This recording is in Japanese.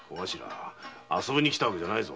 遊びに来た訳じゃないぞ。